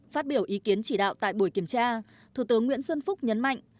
phát biểu ý kiến chỉ đạo tại buổi kiểm tra thủ tướng nguyễn xuân phúc nhấn mạnh